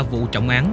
vụ trọng án